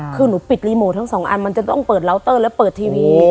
คือหนูปิดรีโมททั้งสองอันมันจะต้องเปิดเลาเตอร์และเปิดทีวี